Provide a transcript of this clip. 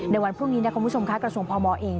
ในวันพรุ่งนี้คุณผู้ชมคะกระทรวงพมเอง